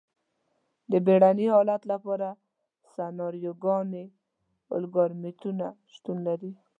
د بیړني حالت لپاره سناریوګانې او الګوریتمونه شتون لري.